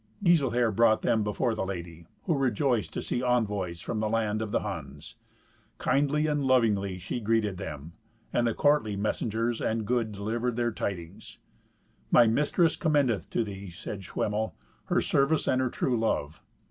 Giselher brought them before the lady, who rejoiced to see envoys from the land of the Huns. Kindly and lovingly she greeted them, and the courtly messengers and good delivered their tidings. "My mistress commendeth to thee," said Schwemmel, "her service and her true love.